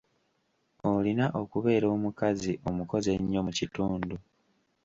Olina okubeera omukazi omukozi ennyo mu kitundu.